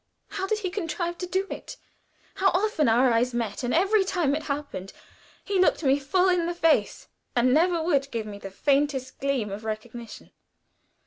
How did he contrive to do it? How often our eyes met, and every time it happened he looked me full in the face, and never would give me the faintest gleam of recognition!